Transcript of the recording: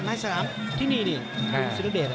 นายสนามที่นี่นี่คุณศิลดิส